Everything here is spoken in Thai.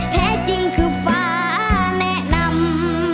แท้จริงคือฟ้าแนะนำ